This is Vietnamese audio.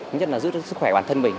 nhất là giữ sức khỏe bản thân mình